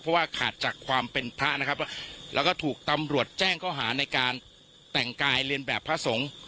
เพราะว่าขาดจากความเป็นพระนะครับแล้วก็ถูกตำรวจแจ้งข้อหาในการแต่งกายเรียนแบบพระสงฆ์